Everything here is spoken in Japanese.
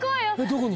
どこに？